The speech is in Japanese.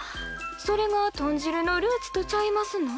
それが豚汁のルーツとちゃいますの？